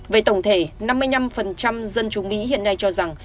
về tổng thể năm mươi năm dân chủ mỹ hiện nay cho rằng